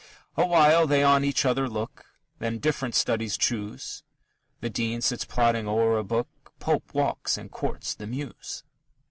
Awhile they on each other look, Then different studies choose; The Dean sits plodding o'er a book, Pope walks and courts the muse.